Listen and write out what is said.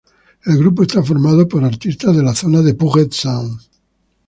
El grupo está formado por artistas de la zona de Puget Sound.